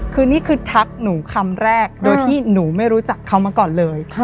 คือนี่คือทักหนูคำแรกโดยที่หนูไม่รู้จักเขามาก่อนเลย